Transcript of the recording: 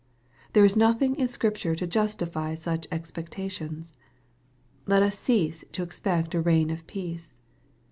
There is nothing in Scripture to justify such expectations. Let us cease to expect a reign of peace.